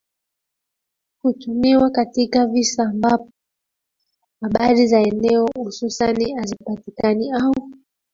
kutumiwa katika visa ambapo habari za eneo hususan hazipatikani au